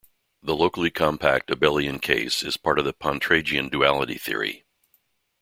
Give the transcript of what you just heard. The locally compact abelian case is part of the Pontryagin duality theory.